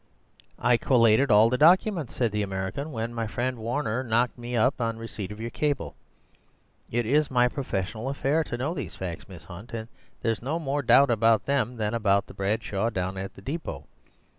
"I collated all the documents," said the American, "when my friend Warner knocked me up on receipt of your cable. It is my professional affair to know these facts, Miss Hunt; and there's no more doubt about them than about the Bradshaw down at the depot.